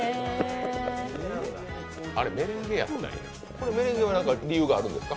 このメレンゲは、何か理由があるんですか？